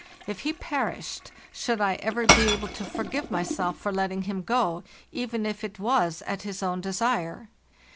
If he perished, should I ever be able to forgive myself for letting him go, even if it was at his own desire?